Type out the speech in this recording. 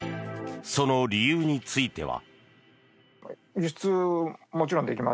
その理由については。